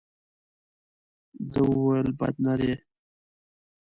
ده وویل بد نه دي.